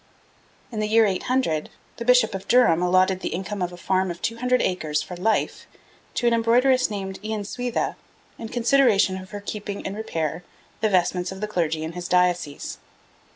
In the year 800, the Bishop of Durham allotted the income of a farm of two hundred acres for life to an embroideress named Eanswitha, in consideration of her keeping in repair the vestments of the clergy in his diocese.